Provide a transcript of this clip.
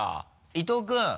伊藤君。